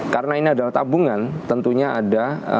karena ini adalah tabungan tentunya ada